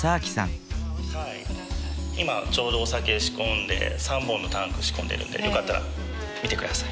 今ちょうどお酒仕込んで３本のタンク仕込んでるんでよかったら見て下さい。